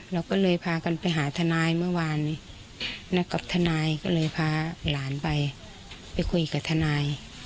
เราก็เลยพากันไปหาทนายเมื่อวานกับทนายก็เลยพาหลานไปไปคุยกับทนาย